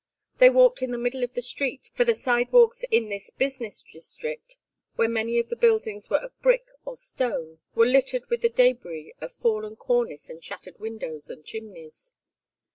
They walked in the middle of the street, for the sidewalks in this business district, where many of the buildings were of brick or stone, were littered with the débris of fallen cornice and shattered windows and chimneys.